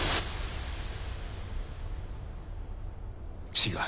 違う。